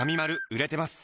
売れてます！